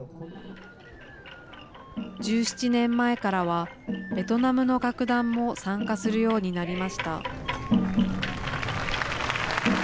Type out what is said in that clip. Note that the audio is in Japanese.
１７年前からはベトナムの楽団も参加するようになりました。